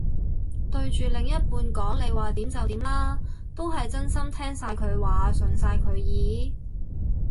對住另一半講你話點就點啦，都係真心聽晒佢話順晒佢意？